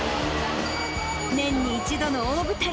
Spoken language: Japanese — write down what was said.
年に一度の大舞台。